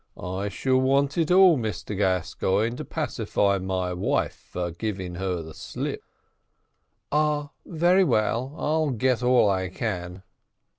I shall want it all, Mr Gascoigne, to pacify my wife for giving her the slip." "Ah, very well; I'll get all I can."